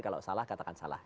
kalau salah katakan salah